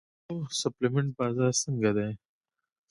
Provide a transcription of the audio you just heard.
د پروټین او سپلیمنټ بازار څنګه دی؟